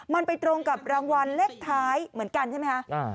มันไปตรงกับรางวัลเลขท้ายเหมือนกันใช่ไหมคะ